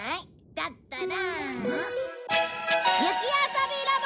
だったら。